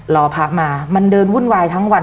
รอพระมามันเดินวุ่นวายทั้งวัน